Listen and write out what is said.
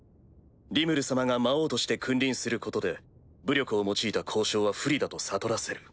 リムル様が魔王として君臨することで武力を用いた交渉は不利だと悟らせる。